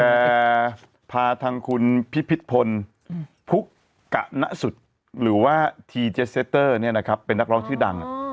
แต่พาทางคุณพิพิษพลพุกะนัสุทธิ์หรือว่าทีเจสเซตเตอร์เป็นนักร้องที่ดัง